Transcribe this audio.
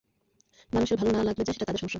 মানুষের ভালো না লাগলে যা, সেটা তদের সমস্যা।